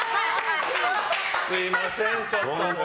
すみません、ちょっと。